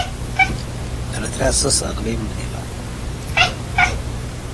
Manfred then imprisons Theodore while Isabella hides.